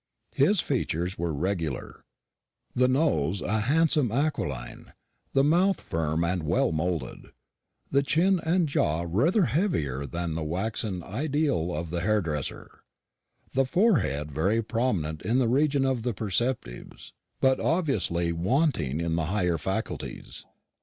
His features were regular; the nose a handsome aquiline; the mouth firm and well modelled; the chin and jaw rather heavier than in the waxen ideal of the hair dresser; the forehead very prominent in the region of the perceptives, but obviously wanting in the higher faculties.